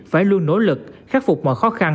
phải luôn nỗ lực khắc phục mọi khó khăn